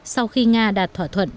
sau khi nga đạt thỏa thuận